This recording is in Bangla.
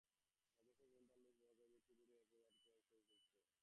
মাইক্রোসফট উন্ডারলিস্ট ব্যবহারকারীদের টু ডু অ্যাপটি ব্যবহার করার জন্য উৎসাহিত করছে।